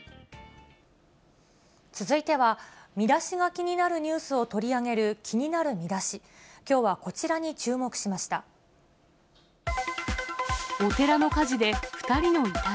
続いては、見出しが気になるニュースを取り上げる気になるミダシ、きょうはお寺の火事で２人の遺体。